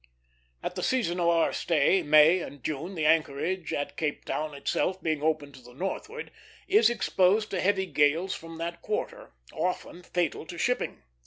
At the season of our stay, May and June, the anchorage at Cape Town itself, being open to the northward, is exposed to heavy gales from that quarter, often fatal to shipping.